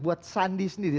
buat sandi sendiri